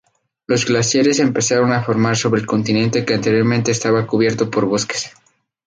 Los glaciares empezaron a formar sobre el continente que anteriormente estaba cubierto por bosques.